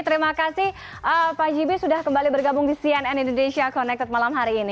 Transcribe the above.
terima kasih pak jibie sudah kembali bergabung di cnn indonesia connected malam hari ini